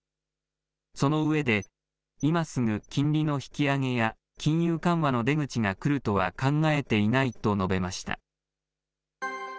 その上で、今すぐ金利の引き上げや金融緩和の出口が来るとは考えていないと述べました。